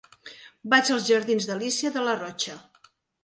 Vaig als jardins d'Alícia de Larrocha.